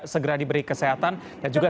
segera diberi kesehatan dan juga